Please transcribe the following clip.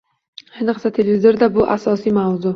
Ayniqsa, televizorda - bu asosiy mavzu